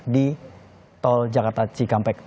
di tol jakarta cikampek